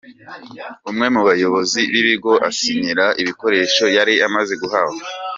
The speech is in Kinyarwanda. Umwe mu bayobozi b’ibigo asinyira ibikoresho yari amaze guhabwa.